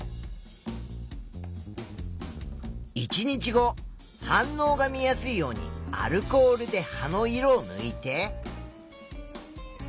１日後反応が見やすいようにアルコールで葉の色をぬいて。